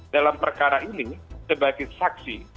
dalam perkara ini sebagai saksi